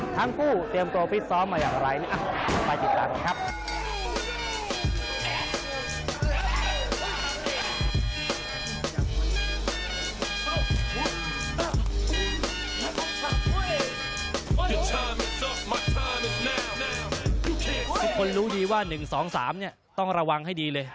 ทุกคนรู้ดีว่า๑๒๓ต้องระวังให้ดีเลย